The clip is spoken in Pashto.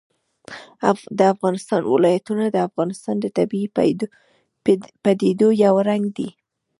د افغانستان ولايتونه د افغانستان د طبیعي پدیدو یو رنګ دی.